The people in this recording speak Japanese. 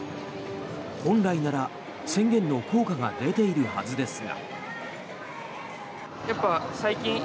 本来なら宣言の効果が出ているはずですが。